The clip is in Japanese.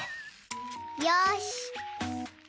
よし。